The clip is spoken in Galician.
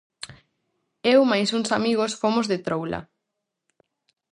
Eu mais uns amigos fomos de troula.